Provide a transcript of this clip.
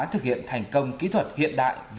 thực hiện thành công kỹ thuật hiện đại